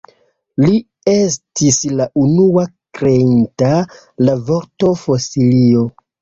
Li estis la unua kreinta la vorto Fosilio.